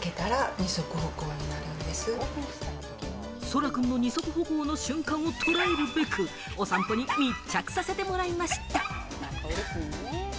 空くんの二足歩行の瞬間を捉えるべく、お散歩に密着させてもらいました。